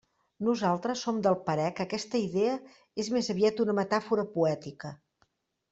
Nosaltres som del parer que aquesta idea és més aviat una metàfora poètica.